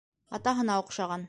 Атаһына оҡшаған.